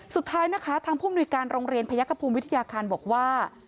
สุดท้ายนะคะทางผู้มนุยการโรงเรียนพยักษภูมิวิทยาคารบอกว่า